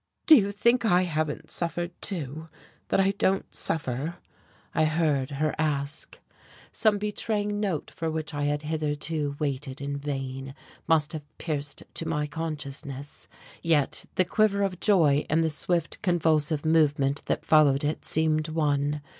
"Do you think I haven't suffered, too? that I don't suffer?" I heard her ask. Some betraying note for which I had hitherto waited in vain must have pierced to my consciousness, yet the quiver of joy and the swift, convulsive movement that followed it seemed one.